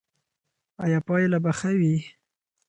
ایا پایله به ښه وي؟